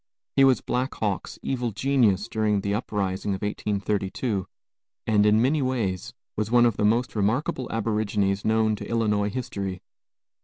He was Black Hawk's evil genius during the uprising of 1832, and in many ways was one of the most remarkable aborigines known to Illinois history.